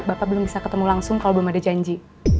bapak belum bisa ketemu langsung kalau belum ada janji